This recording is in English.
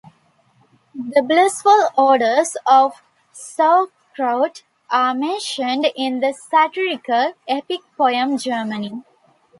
The 'blissful odours' of Sauerkraut are mentioned in the satirical epic poem Germany.